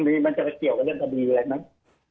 มันจะเกี่ยวกับเรื่องทะบีอะไรไหม